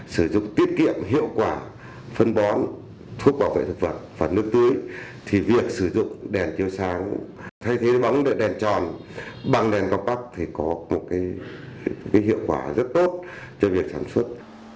sử dụng tiết kiệm hiệu quả phân bón thuốc bảo vệ thực vật và nước tưới thì việc sử dụng đèn chiếu sáng thay thế móng đỡ đèn tròn bằng đèn gop thì có một hiệu quả rất tốt cho việc sản xuất